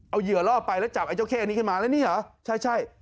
เอาเหยื่อล่อไปแล้วจับไอ้เจ้าเข้นี้ขึ้นมาแล้วนี่เหรอใช่